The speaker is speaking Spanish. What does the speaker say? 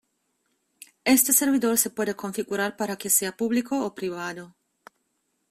Este servidor se puede configurar para que sea público o privado.